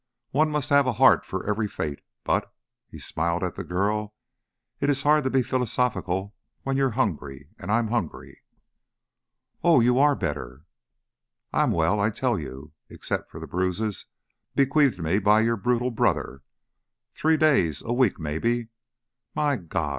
One must have a heart for every fate, but," he smiled at the girl, "it is hard to be philosophical when you're hungry. And I'm hungry." "Oh, you are better!" "I'm well, I tell you, except for the bruises bequeathed me by your brutal brother. Three days a week, maybe! My God!